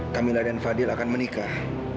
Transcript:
kamila dan fadil akan menikah